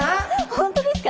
本当ですか？